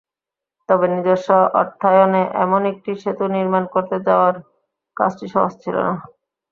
তবে নিজস্ব অর্থায়নে এমন একটি সেতু নির্মাণ করতে যাওয়ার কাজটি সহজ ছিল না।